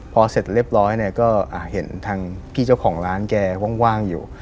พอเสร็จเรียบร้อยเนี่ยก็เห็นทางพี่เจ้าของร้านแกว่างอยู่